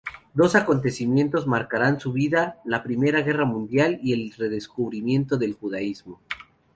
Dos acontecimientos marcarán su vida: la Primera Guerra Mundial y el redescubrimiento del judaísmo.